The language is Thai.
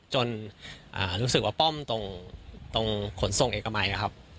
จนรู้สึกว่าป้อมตรงขนส่งเอกมัยครับ